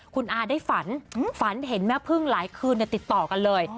คุณอาได้ฝันฝันเห็นแม่พึ่งหลายคืนติดต่อกันเลย